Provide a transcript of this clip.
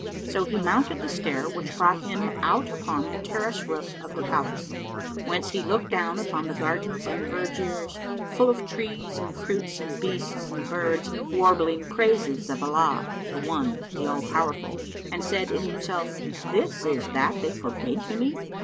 So he mounted the stair, which brought him out upon the terrace roof of the palace, whence he looked down upon the gardens and vergiers, full of trees and fruits and beasts and birds warbling praises of Allah, the One, the All powerful; and said in himself "This is that they forbade to me."